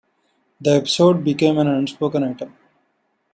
The episode became an unspoken item.